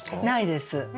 ないです。